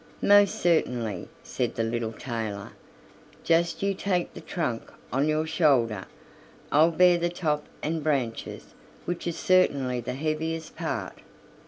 "Most certainly," said the little tailor: "just you take the trunk on your shoulder; I'll bear the top and branches, which is certainly the heaviest part."